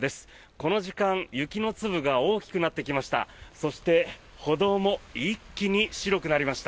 この時間、雪の粒が大きくなってきました。